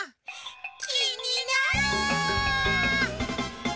きになる！